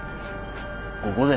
ここで？